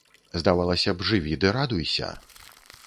Здавалася б, жыві ды радуйся.